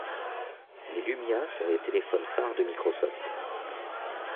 Les Lumia sont les téléphones phares de Microsoft.